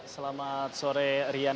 selamat sore rian